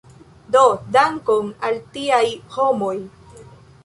Do, dankon al tiaj homoj!